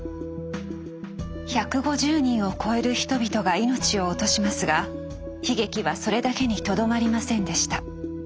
１５０人を超える人々が命を落としますが悲劇はそれだけにとどまりませんでした。